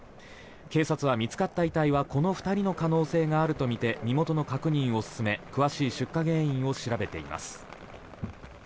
警察は見つかった遺体はこの２人の可能性があるとみて身元の確認を進め詳しい出火原因を調べています。